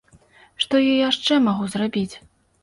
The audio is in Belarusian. Што я яшчэ магу зрабіць?